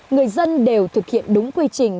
người dân đều thực hiện đúng quy trình